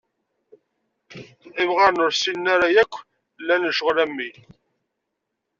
Imɣaren ur ssinen ara akk llan lecɣal am wi.